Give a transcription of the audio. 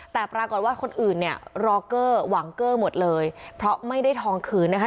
แต่ปรากฏว่าคนอื่นเนี่ยรอเกอร์หวังเกอร์หมดเลยเพราะไม่ได้ทองคืนนะคะ